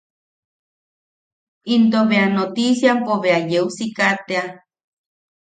Into bea notisiampo bea yeu siika tea.